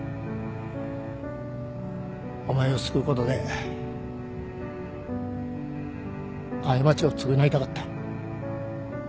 お前を救うことで過ちを償いたかった。